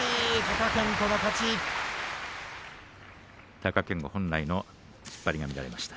貴健斗、本来の突っ張りが見られました。